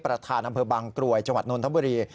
ประธานอำเภอบางกรวยจังหวัดนนทบุรี